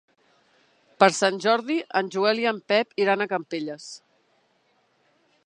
Per Sant Jordi en Joel i en Pep iran a Campelles.